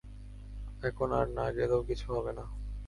এখন আর না গেলেও কিছু হবেনা।